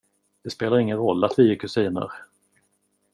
Det spelar ingen roll att vi är kusiner.